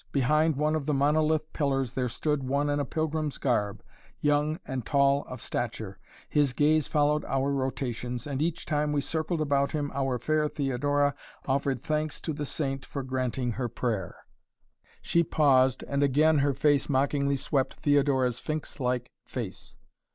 Behind one of the monolith pillars there stood one in a pilgrim's garb, young and tall of stature. His gaze followed our rotations, and each time we circled about him our fair Theodora offered thanks to the saint for granting her prayer " She paused and again her gaze mockingly swept Theodora's sphinx like face.